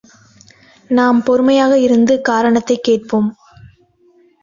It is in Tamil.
நாம் பொறுமையாக இருந்து, காரணத்தைக் கேட்போம்.